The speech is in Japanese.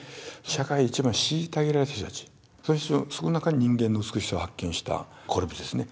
社会で一番虐げられてきた人たちその中に人間の美しさを発見したコルヴィッツですね。